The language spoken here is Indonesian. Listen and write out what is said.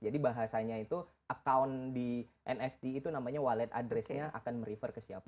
jadi bahasanya itu account di nft itu namanya wallet addressnya akan merifer ke siapa